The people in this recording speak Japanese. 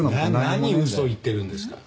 何嘘を言ってるんですか。